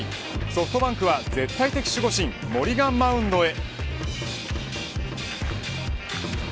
ソフトバンクは絶対的守護神森がマウンドへ。